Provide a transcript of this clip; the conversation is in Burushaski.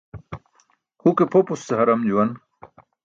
Huke pʰopus ce haram juwan.